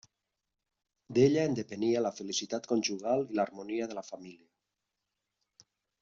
D'ella en depenia la felicitat conjugal i l'harmonia de la família.